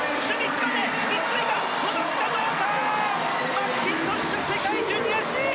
マッキントッシュ世界ジュニア新！